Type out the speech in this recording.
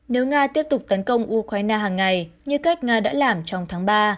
nếu nga tiếp tục tấn công ukraine hàng ngày như cách nga đã làm trong tháng ba